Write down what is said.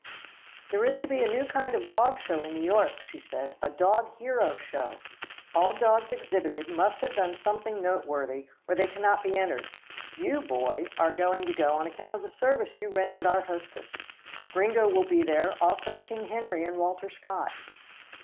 "There is to be a new kind of a dog show in New York," she said, "a dog hero show. All dogs exhibited must have done something noteworthy, or they cannot be entered. You, Boy, are to go on account of the service you rendered our hostess. Gringo will be there, also King Harry and Walter Scott."